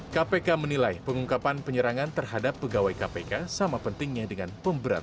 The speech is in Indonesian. kpk menilai pengungkapan penyerangan terhadap pegawai kpk sama pentingnya dengan pemberatan